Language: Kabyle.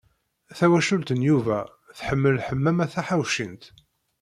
Tawacult n Yuba tḥemmel Ḥemmama Taḥawcint.